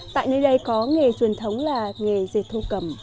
tại nơi đây có nghề truyền thống là nghề dệt thổ cầm